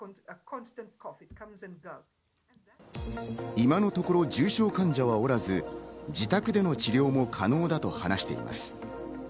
今のところ重症患者はおらず、自宅での治療も可能だと話しています。